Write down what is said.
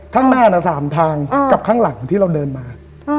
ข้างหน้าน่ะ๓ทางกับข้างหลังที่เราเดินมา